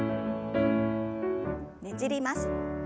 ねじります。